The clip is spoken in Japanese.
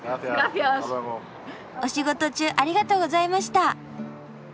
お仕事中ありがとうございました。